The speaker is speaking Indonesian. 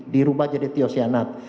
dirubah jadi tyosianat